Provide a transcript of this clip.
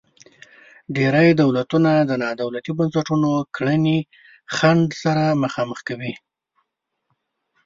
ډیری دولتونه د نا دولتي بنسټونو کړنې خنډ سره مخامخ کوي.